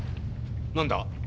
何だ？